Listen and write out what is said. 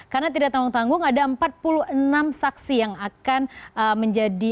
karena tidak tanggung tanggung ada empat puluh enam saksi yang akan menjadi